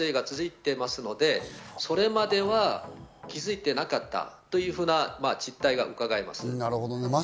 ５月初旬まで写真撮影が続いていますので、それまでは気づいていなかったというふうな実態がうかがえます。